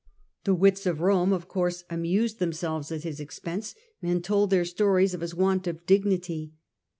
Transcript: The wits of Rome of course amused themselves at his expense, and told their stories of his want of dignity.